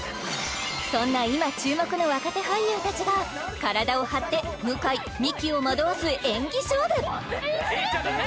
そんな今注目の若手俳優たちが体を張って向井ミキを惑わす演技勝負！